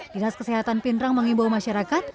dinas kesehatan pindrang mengimbau masyarakat